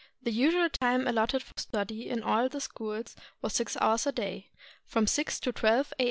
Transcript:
445 JAPAN The usual time allotted for study in all the schools was six hours a day: from 6 to 12 a.